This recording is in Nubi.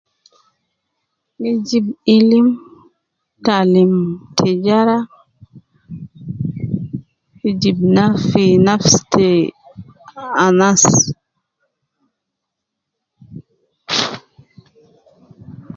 Min jib ilim te alim, tijara, fi jib na fi nafsi te anas